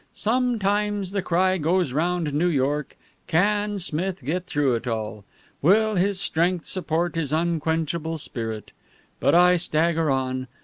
"Sometimes the cry goes round New York, 'Can Smith get through it all? Will his strength support his unquenchable spirit?' But I stagger on.